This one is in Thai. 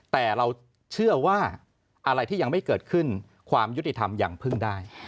แต่เราเชื่อว่าอะไรที่ยังไม่เกิดขึ้นความยุติธรรมยังพึ่งได้